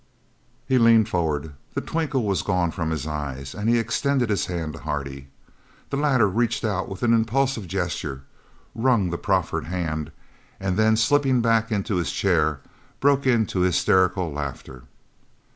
He leaned forward. The twinkle was gone from his eyes and he extended his hand to Hardy. The latter reached out with an impulsive gesture, wrung the proffered hand, and then slipping back into his chair broke into hysterical laughter.